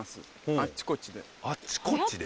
あっちこっちで？